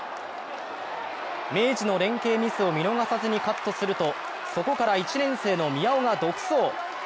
明治の連係ミスを見逃さずにカットするとそこから１年生の宮尾が独走。